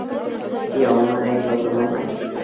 يوه مرۍ او دوه مرۍ